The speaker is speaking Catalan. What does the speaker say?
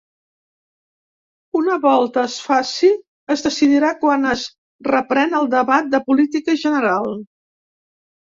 Una volta es faci es decidirà quan es reprèn el debat de política general.